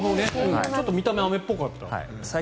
ちょっと見た目雨っぽかった。